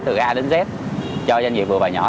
từ a đến z cho doanh nghiệp vừa và nhỏ